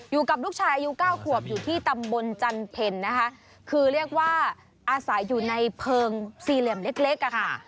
อยู่กับลูกชายอายุเก้าขวบอยู่ที่ตำบลจันเพ็ญนะคะคือเรียกว่าอาศัยอยู่ในเพลิงสี่เหลี่ยมเล็กเล็กอะค่ะ